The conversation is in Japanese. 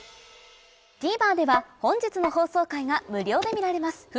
ＴＶｅｒでは本日の放送回が無料で見られます